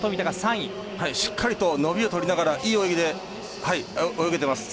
しっかりと伸びをとりながらいい泳ぎで泳げています。